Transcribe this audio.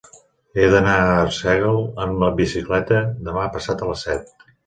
He d'anar a Arsèguel amb bicicleta demà passat a les set.